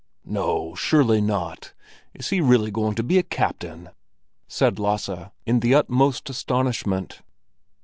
"No, surely not! Is he really going to be a captain?" said Lasse, in the utmost astonishment.